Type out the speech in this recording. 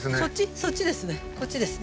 そっちですね